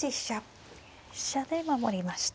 飛車で守りました。